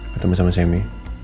ketemu sama semi